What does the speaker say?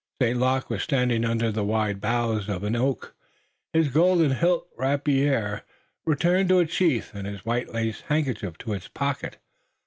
St. Luc was standing under the wide boughs of an oak, his gold hilted rapier returned to its sheath and his white lace handkerchief to its pocket.